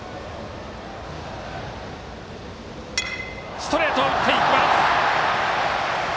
ストレートを打っていきます。